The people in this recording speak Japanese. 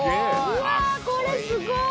うわこれすごい！